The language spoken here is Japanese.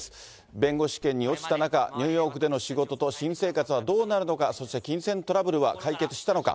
弁護士試験に落ちた中、新生活はどうなるのか、そして金銭トラブルは解決したのか。